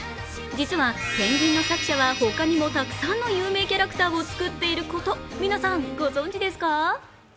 実は、ペンギンの作者は他にもたくさんの有名キャラクターを作っていること皆さん、ご存じですか？